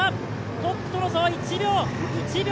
トップとの差は１秒。